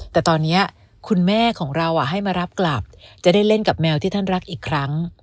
แต่ตอนนี้คุณแม่ของเราให้มารับกลับจะได้เล่นกับแมวที่ท่านรักอีกครั้ง